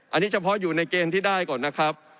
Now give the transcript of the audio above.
อันนี้เฉพาะอยู่ในเกณฑ์ที่ได้ก่อนนะครับ